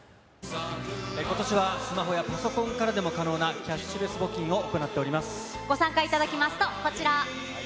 ことしはスマホやパソコンからでも可能なキャッシュレス募金ご参加いただきますと、こちら。